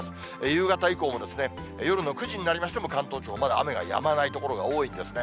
夕方以降も、夜の９時になりましても、関東地方、まだ雨がやまない所が多いんですね。